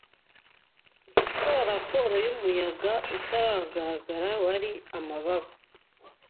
Gukora raporo yumuyaga utagaragara Wari amababa